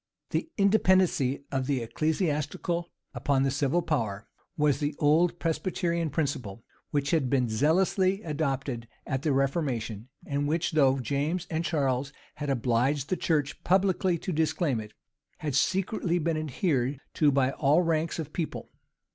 [*] The independency of the ecclesiastical upon the civil power, was the old Presbyterian principle, which had been zealously adopted at the reformation, and which, though James and Charles had obliged the church publicly to disclaim it, had secretly been adhered to by all ranks of people.